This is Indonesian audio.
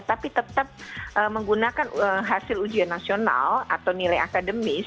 tapi tetap menggunakan hasil ujian nasional atau nilai akademis